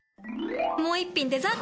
もう一品デザート！